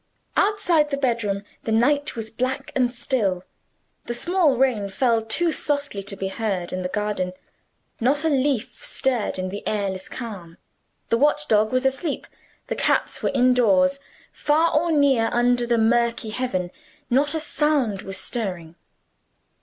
Outside the bedroom the night was black and still. The small rain fell too softly to be heard in the garden; not a leaf stirred in the airless calm; the watch dog was asleep, the cats were indoors; far or near, under the murky heaven, not a sound was stirring.